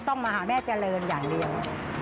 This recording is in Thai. ต้องมาหาแม่เจริญอย่างเดียว